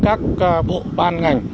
các bộ ban ngành